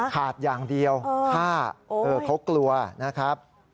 ขาดอย่างเดียวฆ่าเขากลัวนะครับ